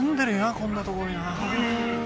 こんなとこにな。